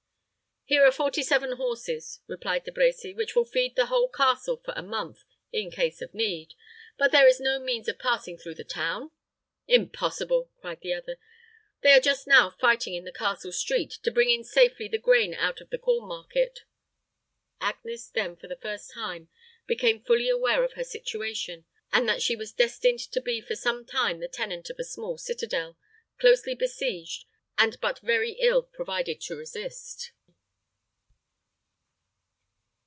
"Here are forty seven horses," answered De Brecy, "which will feed the whole castle for a month, in case of need. But is there no means of passing through the town?" "Impossible!" cried the other. "They are just now fighting in the castle street, to bring in safely the grain out of the corn market." Agnes then, for the first time, became fully aware of her situation, and that she was destined to be for some time the tenant of a small citadel, closely besieged, and but very ill provided to resist.